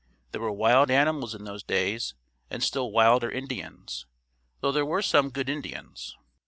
There were wild animals in those days, and still wilder Indians, though there were some "Good Indians."